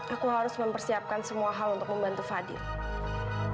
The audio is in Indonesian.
aku harus mempersiapkan semua hal untuk membantu fadil